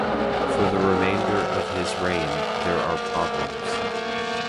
For the remainder of his reign there are problems.